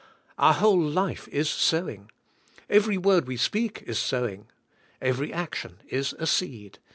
Our whole life is sowing. Kvery word we speak is sowing. Kvery action is a seed.